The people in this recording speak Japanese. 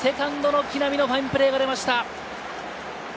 ここはセカンドの木浪のファインプレーが出ました。